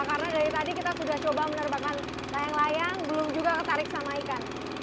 karena dari tadi kita sudah coba menerbakan layang layang belum juga ketarik sama ikan